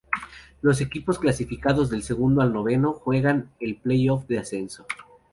Los equipos clasificados del segundo al noveno juegan el play off de ascenso.